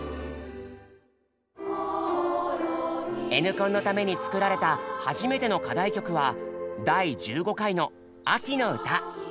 「Ｎコン」のために作られた初めての課題曲は第１５回の「秋の歌」。